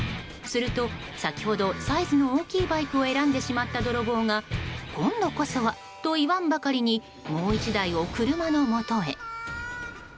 すると、先ほどサイズの大きいバイクを選んでしまった泥棒が今度こそはと言わんばかりにもう１台を車のもとへ。